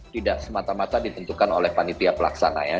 tidak semata mata ditentukan oleh panitia pelaksana ya